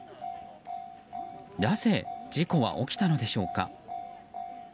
なぜ事故は起きたのでしょうか。